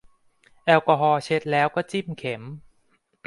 แอลกอฮอล์เช็ดแล้วก็จิ้มเข็ม